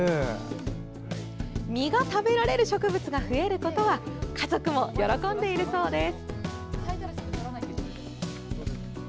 実が食べられる植物が増えることは家族も喜んでいるそうです。